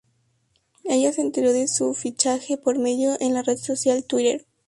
Ella se enteró de su fichaje por medio de la red social Twitter.